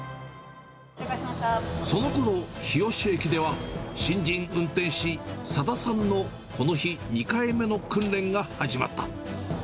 そのころ、日吉駅では新人運転士、佐田さんのこの日２回目の訓練が始まった。